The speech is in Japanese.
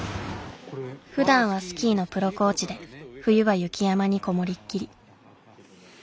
ふだんはスキーのプロコーチで冬は雪山に籠もりっきり。